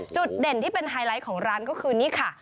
จุดเด่นที่เป็นไฮไลท์ของร้านก็คือนี่ค่ะ